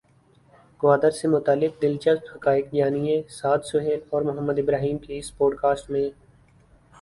گوادر سے متعلق دلچسپ حقائق جانیے سعد سہیل اور محمد ابراہیم کی اس پوڈکاسٹ میں۔